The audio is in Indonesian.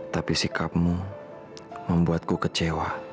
tapi sikapmu membuatku kecewa